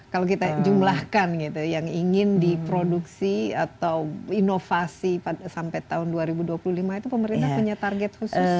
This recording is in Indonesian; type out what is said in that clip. kalau kita jumlahkan gitu yang ingin diproduksi atau inovasi sampai tahun dua ribu dua puluh lima itu pemerintah punya target khusus